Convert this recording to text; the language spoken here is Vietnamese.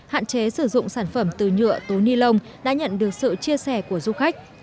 hạn chế sử dụng sản phẩm từ nhựa tố ni lông đã nhận được sự chia sẻ của du khách